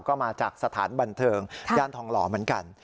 ก็มาจากสถานบันเทิงย่านทองหล่อเหมือนกัน